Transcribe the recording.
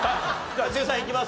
一茂さんいきます？